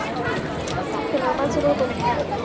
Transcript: El normal solo con dibujo.